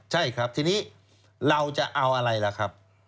ใช่ครับทีนี้เราจะเอาอะไรล่ะครับ